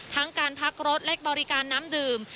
ทั้งการพักรถและบริการน้ำดื่ม